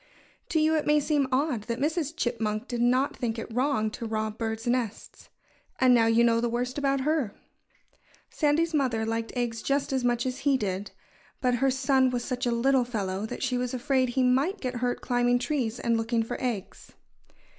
To you it may seem odd that Mrs. Chipmunk did not think it wrong to rob birds' nests. And now you know the worst about her. Sandy's mother liked eggs just as much as he did. But her son was such a little fellow that she was afraid he might get hurt climbing trees and looking for eggs.